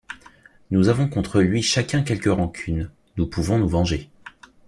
Nous avons contre lui chacun quelque rancune ; Nous pouvons nous venger.